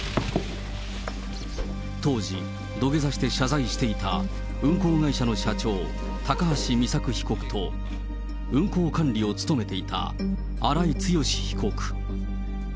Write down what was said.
当時、土下座して謝罪していた運行会社の社長、高橋美作被告と、運行管理を務めていた荒井強被告。